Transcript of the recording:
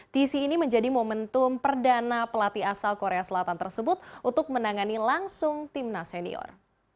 tc ini menjadi momentum perdana pelatih asal korea selatan tersebut untuk menangani langsung timnas senior